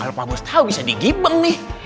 kalau pabos tau bisa digibeng